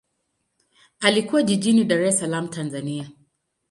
Alikulia jijini Dar es Salaam, Tanzania.